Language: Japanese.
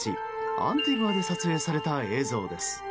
アンティグアで撮影された映像です。